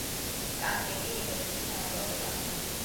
კანკელი ეკლესიის თანადროულია.